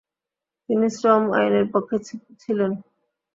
তিনি শ্রম আইনের পক্ষে ছিলেন।